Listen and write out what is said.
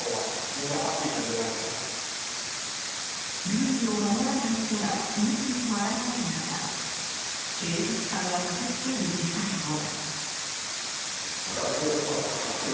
ルールを守らない人が次々と現れる中警察官が駆け付ける事態も。